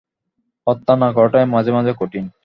হত্যা না করাটাই মাঝে মাঝে কঠিন।